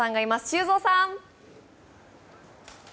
修造さん！